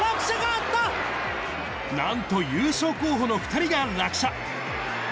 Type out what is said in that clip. なんと優勝候補の２人が落車。